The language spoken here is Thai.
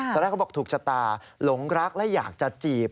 ตอนแรกเขาบอกถูกชะตาหลงรักและอยากจะจีบ